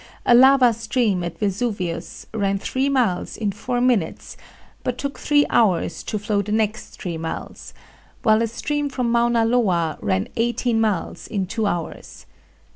A lava stream at Vesuvius ran three miles in four minutes, but took three hours to flow the next three miles, while a stream from Mauna Loa ran eighteen miles in two hours.